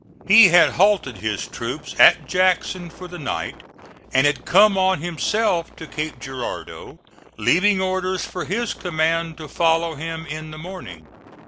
He had halted his troops at Jackson for the night, and had come on himself to Cape Girardeau, leaving orders for his command to follow him in the morning.